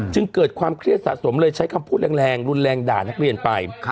จึงเกิดความเครียดสะสมเลยใช้คำพูดแรงรุนแรงด่านักเรียนไป